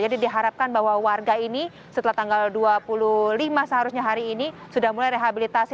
jadi diharapkan bahwa warga ini setelah tanggal dua puluh lima seharusnya hari ini sudah mulai rehabilitasi